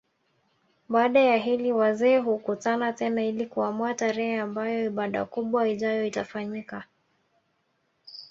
Baada ya hili wazee hukutana tena ili kuamua tarehe ambayo ibada kubwa ijayo itafanyika